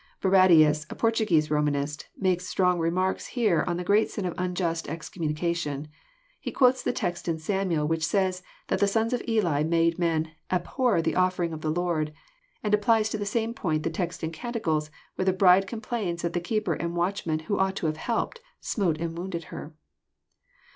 Barradins, a Fortugnese Romanist, makes strong remarks here on the great sin of unjust excommunication. He quotes the text in Samuel which says that the sons of Eli made men <* abhor the offering of the Lord; " and applies to the same point the text in Canticles where the bride complains that the keeper and watchmen, who ought to have helped, '* smote and wounded her."